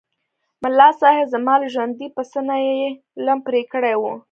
ملاصاحب! زما له ژوندي پسه نه یې لم پرې کړی و.